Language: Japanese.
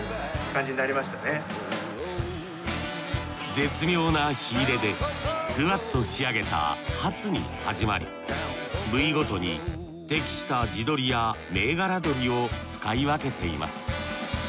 絶妙な火入れでふわっと仕上げたハツに始まり部位ごとに適した地鶏や銘柄鶏を使い分けています。